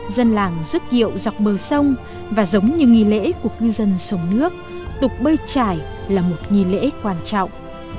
dân làng rước diệu dọc bờ sông và giống như nghi lễ của cư dân sống nước tục bơi trải là một nghi lễ quan trọng